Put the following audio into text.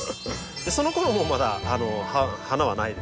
そのころもまだ花はないですよ。